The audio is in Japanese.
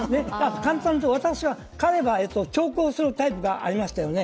簡単に言うと、私は、彼は長考するタイプでしたよね。